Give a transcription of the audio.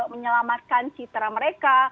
menyelamatkan citra mereka